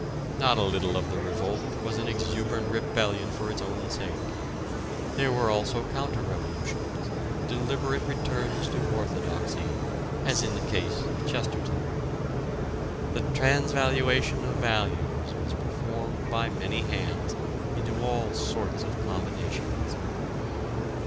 Not a little of the revolt was an exuberant rebellion for its own sake. There were also counter revolutions, deliberate returns to orthodoxy, as in the case of Chesterton. The transvaluation of values was performed by many hands into all sorts of combinations.